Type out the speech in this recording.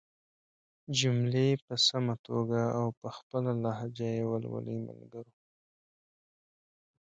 جملې په سمه توګه او په خپله لهجه ېې ولولئ ملګرو!